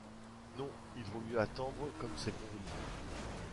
Non, il vaut mieux attendre comme c’est convenu.